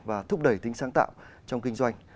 và thúc đẩy tính sáng tạo trong kinh doanh